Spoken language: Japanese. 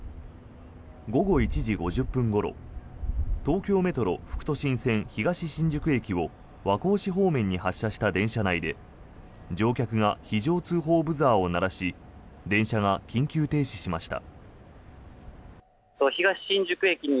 午後１時５０分ごろ東京メトロ副都心線東新宿駅を和光市方面に発車した電車内で乗客が非常通報ブザーを鳴らし電車が緊急停止しました。